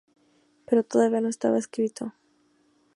Pero todavía no estaba escrito.